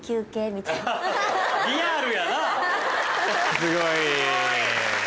すごい。